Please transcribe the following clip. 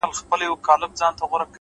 باڼه به مي په نيمه شپه و لار ته ور وړم;